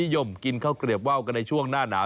นิยมกินเข้ากรีบว่ากันในช่วงหน้าหนา